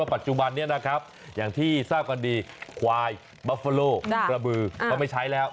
ปัจจุบันนี้นะครับอย่างที่ทราบกันดีควายบัฟเฟอโลกระบือเขาไม่ใช้แล้ว